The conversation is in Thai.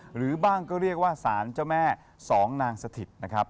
หรือบ้างก็เรียกว่าสารเจ้าแม่สองนางสถิตนะครับ